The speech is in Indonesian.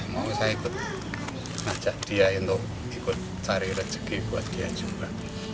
mau saya ikut ajak dia untuk ikut cari rezeki buat dia juga